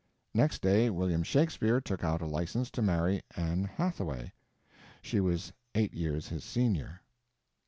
Next day William Shakespeare took out a license to marry Anne Hathaway. She was eight years his senior.